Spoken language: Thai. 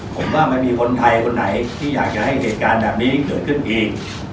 ผมว่าไม่มีคนไทยคนไหนที่อยากจะให้เหตุการณ์แบบนี้เกิดขึ้นอีก